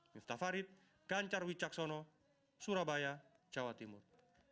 yusuf tafarid ganjar wijaksono surabaya jawa timur